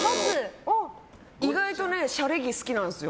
意外としゃれ着、好きなんですよ。